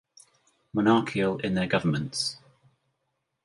Monarchial in their governments.